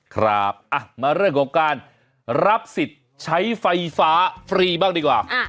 ครับมาเรื่องของการรับสิทธิ์ใช้ไฟฟ้าฟรีบ้างดีกว่า